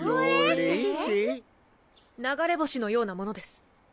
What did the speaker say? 流れ星のようなものです。